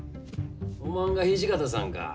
おまんが土方さんか。